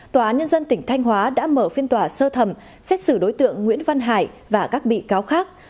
tòa án nhân dân tỉnh thanh hóa đã mở phiên tòa sơ thẩm xét xử đối tượng nguyễn văn hải và các bị cáo khác